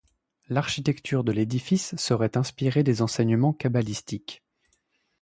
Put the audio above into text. L'architecture de l'édifice serait inspirée des enseignements kabbalistiques.